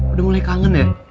udah mulai kangen ya